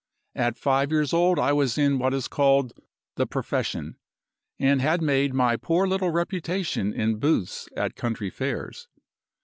At five years old I was in what is called 'the profession,' and had made my poor little reputation in booths at country fairs.